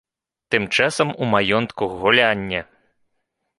Тым часам у маёнтку гулянне.